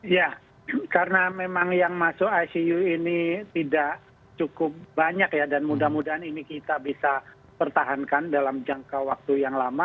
ya karena memang yang masuk icu ini tidak cukup banyak ya dan mudah mudahan ini kita bisa pertahankan dalam jangka waktu yang lama